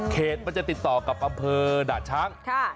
มันจะติดต่อกับอำเภอด่าช้าง